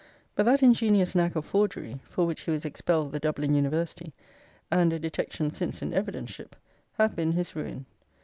But that ingenious knack of forgery, for which he was expelled the Dublin University, and a detection since in evidenceship, have been his ruin.